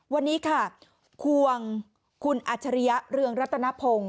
วันนี้ค่ะควงคุณอัจฉริยะเรืองรัตนพงศ์